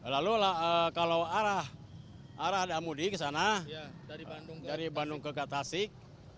lalu kalau arah damudi ke sana dari bandung ke tasik